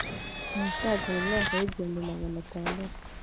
ahasaga mu mwaka w’iigihumbi magana tandatu